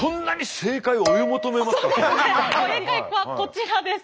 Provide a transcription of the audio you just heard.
正解はこちらです。